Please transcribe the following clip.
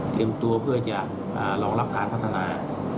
ตัวเพื่อจะรองรับการพัฒนา